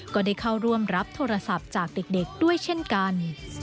ก็ได้เข้าร่วมรับโทรศัพท์จากเด็กด้วยเช่นกัน